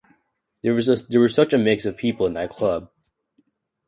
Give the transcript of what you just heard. There was such a mix of people in that club.